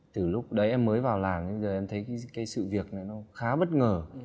từ lúc đấy em mới vào làng em thấy cái sự việc này nó khá bất ngờ